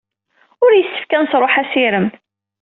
Ur yessefk ad nesṛuḥ assirem.